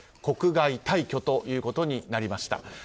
国外退去ということになりました。